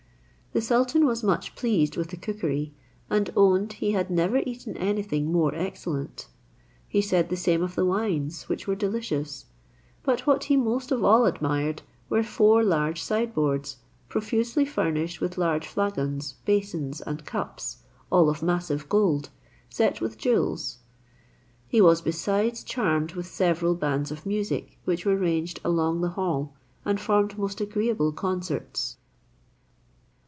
The sultan was much pleased with the cookery, and owned he had never eaten anything more excellent. He said the same of the wines, which were delicious; but what he most of all admired, were four large sideboards, profusely furnished with large flagons, basins, and cups, all of massive gold, set with jewels. He was besides charmed with several bands of music, which were ranged along the hall, and formed most agreeable concerts.